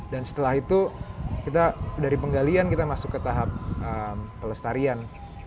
dan setelah itu kita dari penggalian kita masuk ke tahap pelestarian